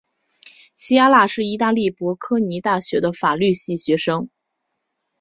琪亚拉是意大利博科尼大学的法律系学生。